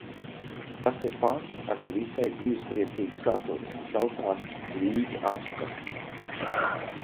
"Tas ir pants ar ne visai dzīvespriecīgu saturu un saucas "Līķa apskate"."